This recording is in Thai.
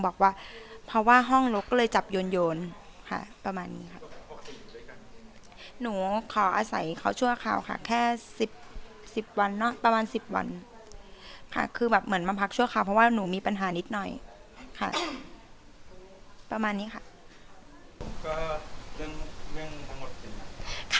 สิบวันเนอะประมาณสิบวันค่ะคือแบบเหมือนมันพักชั่วคร่าวเพราะว่าหนูมีปัญหานิดหน่อยค่ะประมาณนี้ค่ะ